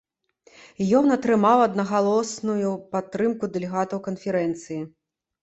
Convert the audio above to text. Ён атрымаў аднагалосную падтрымку дэлегатаў канферэнцыі.